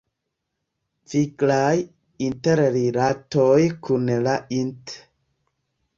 Viglaj interrilatoj kun la int.